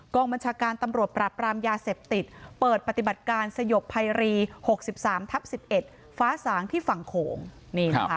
บัญชาการตำรวจปราบรามยาเสพติดเปิดปฏิบัติการสยบภัยรี๖๓ทับ๑๑ฟ้าสางที่ฝั่งโขงนี่นะคะ